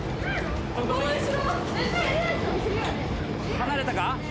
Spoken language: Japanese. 離れたか？